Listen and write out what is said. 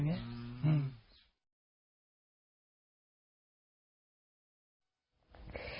หือ